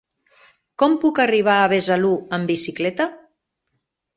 Com puc arribar a Besalú amb bicicleta?